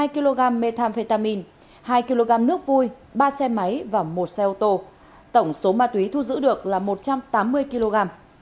hai kg methamphetamine hai kg nước vui ba xe máy và một xe ô tô tổng số ma túy thu giữ được là một trăm tám mươi kg